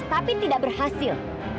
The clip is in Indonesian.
tapi tidak berhasil